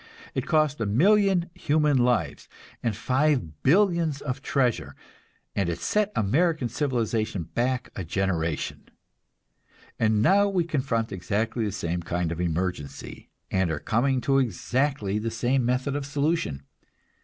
It cost a million human lives and five billions of treasure, and it set American civilization back a generation. And now we confront exactly the same kind of emergency, and are coming to exactly the same method of solution.